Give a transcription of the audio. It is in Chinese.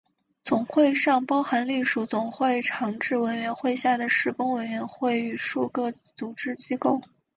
总会尚包含隶属总会常置委员会下的事工委员会与数个组织机构。